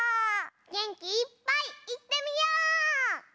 げんきいっぱいいってみよ！